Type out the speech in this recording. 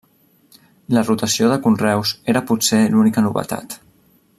La rotació de conreus era potser l'única novetat.